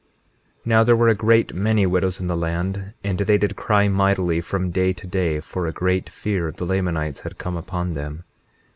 21:10 Now there were a great many widows in the land, and they did cry mightily from day to day, for a great fear of the Lamanites had come upon them.